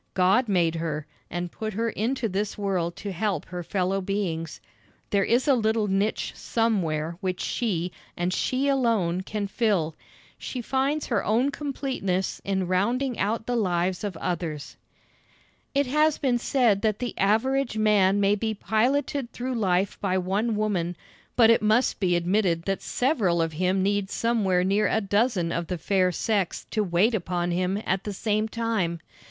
God made her, and put her into this world to help her fellow beings. There is a little niche somewhere which she, and she alone, can fill. She finds her own completeness in rounding out the lives of others. It has been said that the average man may be piloted through life by one woman, but it must be admitted that several of him need somewhere near a dozen of the fair sex to wait upon him at the same time.